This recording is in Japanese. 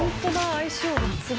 相性抜群」